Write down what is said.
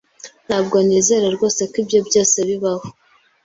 Ntabwo nizera rwose ko ibyo byose bibaho.